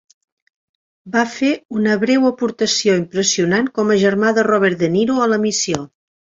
Va fer una breu aportació impressionant com a germà de Robert De Niro a "La Missió".